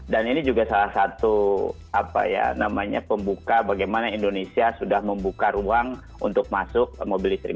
dan ini juga salah satu apa ya namanya pembuka bagaimana indonesia sudah membuka ruang untuk masuk mobil listrik